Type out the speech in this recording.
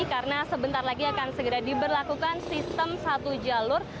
karena sebentar lagi akan segera diberlakukan sistem satu jalur